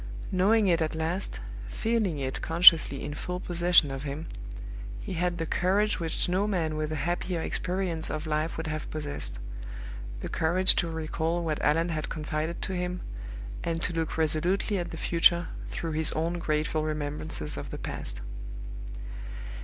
Knowing it at last, feeling it consciously in full possession of him, he had the courage which no man with a happier experience of life would have possessed the courage to recall what Allan had confided to him, and to look resolutely at the future through his own grateful remembrances of the past.